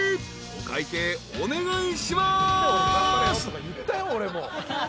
お会計お願いします］